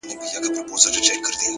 علم د انسان فکر اصلاح کوي،